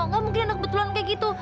enggak mungkin ada kebetulan kayak gitu